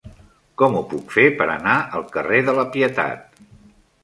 Com ho puc fer per anar al carrer de la Pietat?